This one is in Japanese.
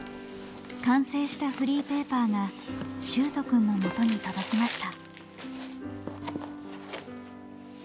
完成したフリーペーパーが秀斗くんのもとに届きました。